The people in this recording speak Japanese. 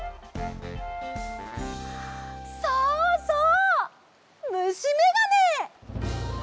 そうそうむしめがね！